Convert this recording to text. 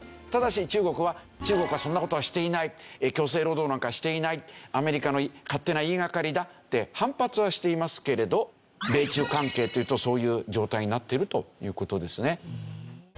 ただし中国は中国はそんな事はしていない強制労働なんかしていないアメリカの勝手な言いがかりだって反発はしていますけれど米中関係っていうとそういう状態になってるという事ですね。